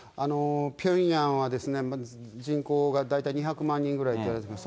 ピョンヤンはですね、人口が大体２００万人ぐらいっていわれてます。